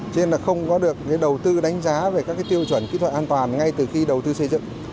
cho nên là không có được đầu tư đánh giá về các tiêu chuẩn kỹ thuật an toàn ngay từ khi đầu tư xây dựng